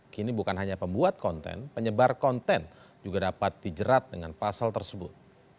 kini bukan hanya pembuat konten penyebar konten juga dapat dijerat dengan pasal tersebut